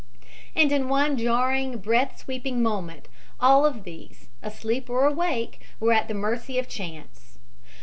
And in one jarring, breath sweeping moment all of these, asleep or awake, were at the mercy of chance.